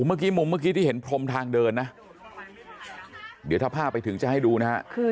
เมื่อกี้มุมเมื่อกี้ที่เห็นพรมทางเดินนะเดี๋ยวถ้าภาพไปถึงจะให้ดูนะฮะ